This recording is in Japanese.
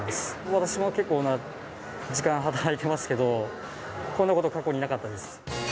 私も結構な時間、働いてますけど、こんなこと過去になかったです。